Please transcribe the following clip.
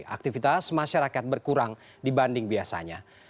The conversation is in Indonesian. aktivitas masyarakat berkurang dibanding biasanya